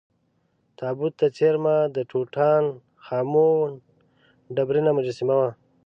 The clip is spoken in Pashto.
تابوت ته څېرمه د ټوټا ن خا مون ډبرینه مجسمه وه.